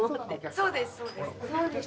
そうですそうです。